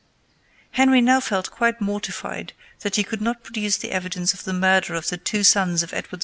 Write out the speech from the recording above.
Henry now felt quite mortified that he could not produce the evidence of the murder of the two sons of Edward IV.